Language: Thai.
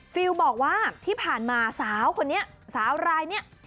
ฟิลบอกว่าที่ผ่านมาสาวคนนี้สาวรายนี้